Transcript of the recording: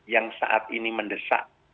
yang saat ini mendesak